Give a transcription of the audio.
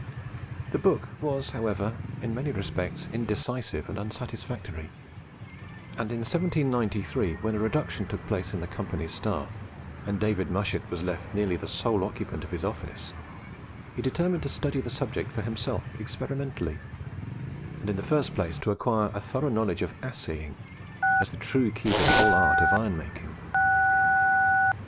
The book was, however, in many respects indecisive and unsatisfactory; and, in 1793, when a reduction took place in the Company's staff, and David Mushet was left nearly the sole occupant of the office, he determined to study the subject for himself experimentally, and in the first place to acquire a thorough knowledge of assaying, as the true key to the whole art of iron making.